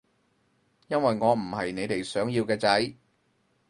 因為我唔係你哋想要嘅仔